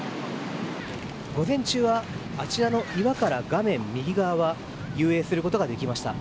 午前中はあちらの岩から画面右側は遊泳することができました。